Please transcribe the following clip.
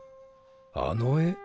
あの絵？